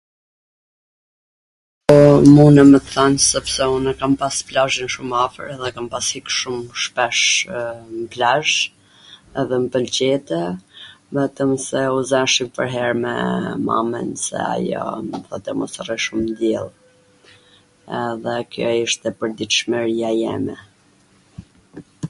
Munem me t than sepse un e kam pas plazhin shum afwr dhe kam pas ik shum shpesh n plazh edhe mw pwlqete, vetwm se u zwsha pwrher me mamin dhe ajo mw thote mos rri shum nw diell. Edhe aty ishte pwrditshmwria e jeme.